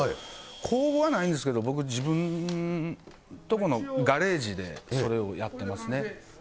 工房はないんですけれども、僕、自分の所のガレージで、それをやってますね。